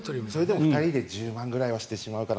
２人で１０万円ぐらいはしてしまうかな。